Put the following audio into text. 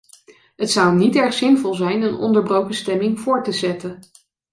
Het zou niet erg zinvol zijn een onderbroken stemming voort te zetten.